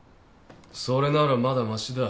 それならまだましだ。